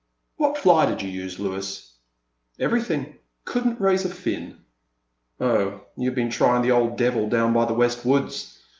What fly did you use, I/)uis?" Everything ; could n*t raise a fin." Oh, you*ve been trying that old devil down by the west woods